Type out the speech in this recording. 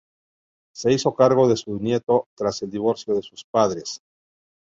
Se hizo cargo de su nieto tras el divorcio de sus padres.